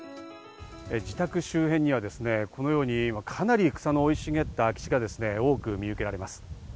自宅周辺にはですね、このようにかなり草の生い茂った場所が多く見受けられます。